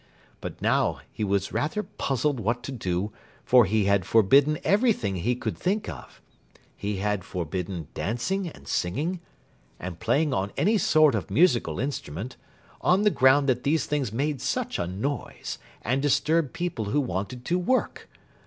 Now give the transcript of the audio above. But now he was rather puzzled what to do, for he had forbidden everything he could think of. He had forbidden dancing and singing, and playing on any sort of musical instrument, on the ground that these things made such a noise, and disturbed people who wanted to work.